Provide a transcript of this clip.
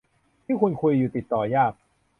ที่คุณคุยอยู่ติดต่อยาก